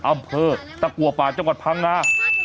อำเภอตะกัวป่าจังหวัดพังงา